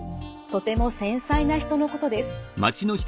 とても繊細な人のことです。